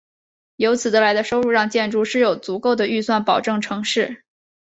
以此得来的收入让建筑师有足够的预算保证成事。